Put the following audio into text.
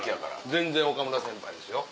全然岡村先輩ですよ。